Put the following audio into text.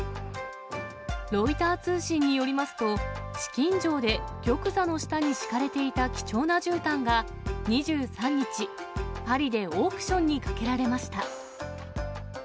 ロイター通信によりますと、紫禁城で玉座の下に敷かれていた貴重なじゅうたんが２３日、パリでオークションにかけられました。